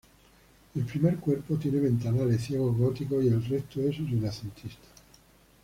El primer cuerpo tiene ventanales ciego góticos y el resto es renacentista.